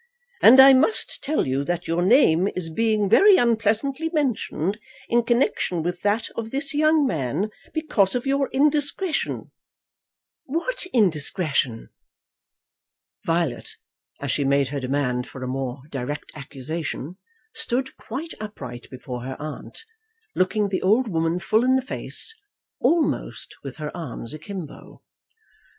"And I must tell you that your name is being very unpleasantly mentioned in connection with that of this young man because of your indiscretion." "What indiscretion?" Violet, as she made her demand for a more direct accusation, stood quite upright before her aunt, looking the old woman full in the face, almost with her arms akimbo.